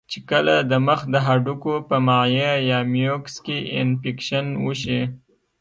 چې کله د مخ د هډوکو پۀ مائع يا ميوکس کې انفکشن اوشي